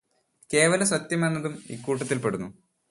കേവല സത്യമെന്നതും ഇക്കൂട്ടത്തിൽപെടുന്നു.